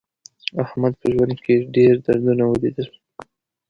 احمد په ژوند کې ډېر دردونه ولیدل.